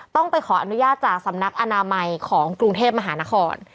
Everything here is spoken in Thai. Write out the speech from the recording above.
ต้องไปขออนุญาตจากสำนักอนามัยของกรุงเทพมหานคร